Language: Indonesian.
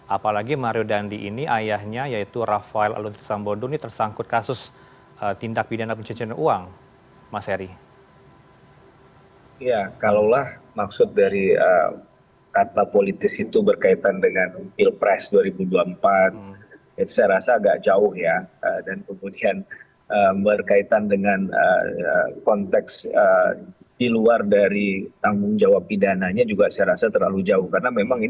apalagi mario dandi ini ayahnya yaitu rafael alutri sambodo ini tersangkut kasus tindak pidana pencucian uang